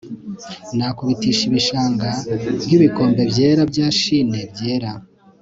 nakubitisha ibishanga, nkibikombe byera bya chine byera